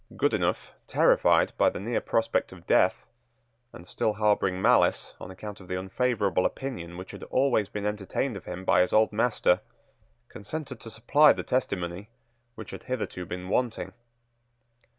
Goodenough, terrified by the near prospect of death, and still harbouring malice on account of the unfavourable opinion which had always been entertained of him by his old master, consented to supply the testimony which had hitherto been wanting.